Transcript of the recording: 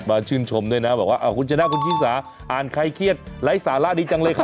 ชื่นชมด้วยนะบอกว่าคุณชนะคุณชิสาอ่านใครเครียดไร้สาระดีจังเลยค่ะ